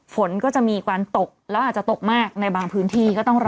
ฝนก็จะมีกว่าตกแล้วอาจจะตกมากในบางพื้นที่